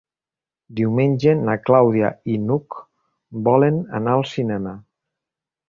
Diumenge na Clàudia i n'Hug volen anar al cinema.